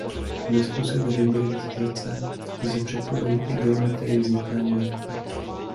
Dle způsobu hybridizace lze předpovědět i geometrii vzniklé molekuly.